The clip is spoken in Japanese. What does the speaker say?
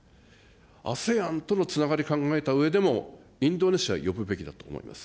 ＡＳＥＡＮとのつながり考えたうえでも、インドネシアを呼ぶべきだと思います。